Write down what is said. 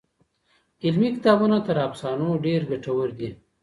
علمي کتابونه تر افسانو ډېر ګټور دي.